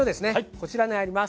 こちらにあります。